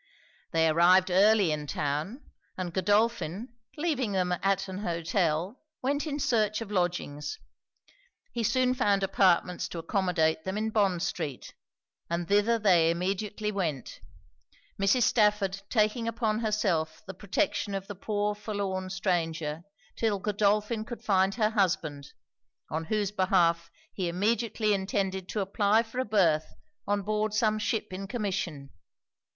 They arrived early in town; and Godolphin, leaving them at an hotel, went in search of lodgings. He soon found apartments to accommodate them in Bond street; and thither they immediately went; Mrs. Stafford taking upon herself the protection of the poor forlorn stranger 'till Godolphin could find her husband, on whose behalf he immediately intended to apply for a berth on board some ship in commission.